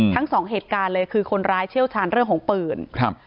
ทั้งสองเหตุการณ์เลยคือคนร้ายเชี่ยวชาญเรื่องของปืนครับ